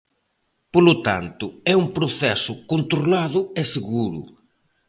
Polo tanto, é un proceso controlado e seguro.